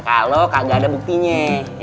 kalo kagak ada buktinya